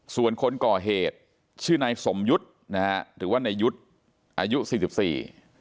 ส่วนคนก่อเหตุชื่อนายสมยุทธ์นะฮะหรือว่านายยุทธ์อายุสี่สิบสี่